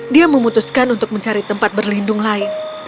dia memutuskan untuk mencari tempat berlindung lain